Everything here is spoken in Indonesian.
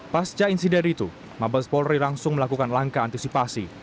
pasca insiden itu mabes polri langsung melakukan langkah antisipasi